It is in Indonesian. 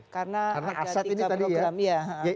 karena ada tiga perang karena aset ini berada di mana